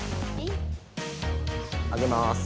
上げます。